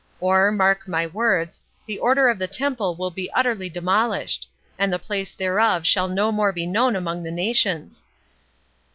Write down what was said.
Or—mark my words—the Order of the Temple will be utterly demolished—and the Place thereof shall no more be known among the nations."